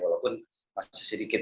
walaupun masih sedikit